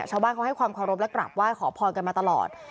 ชาวบ้านเขาให้ความเคารพและกราบไหว้ขอพรกันมาตลอด